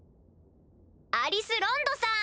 アリス・ロンドさん。